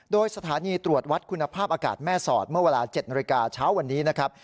โดยสถานีตรวจวัดคุณภาพอากาศแม่สอดเมื่อเวลา๗นาฬิกาเช้าวันนี้นะครับ